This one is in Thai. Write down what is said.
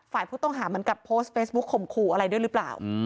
ฝ่ายผู้ต้องหาเหมือนกับโพสต์เฟซบุ๊คข่มขู่อะไรด้วยหรือเปล่า